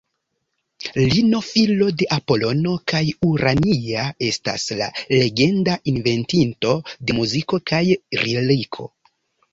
Lino filo de Apolono kaj Urania estas la legenda inventinto de muziko kaj liriko.